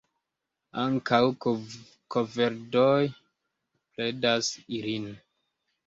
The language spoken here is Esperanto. Ankaŭ korvedoj predas ilin.